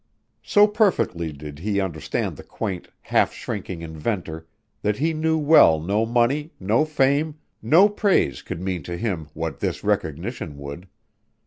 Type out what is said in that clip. So perfectly did he understand the quaint, half shrinking inventor that he knew well no money, no fame, no praise could mean to him what this recognition would.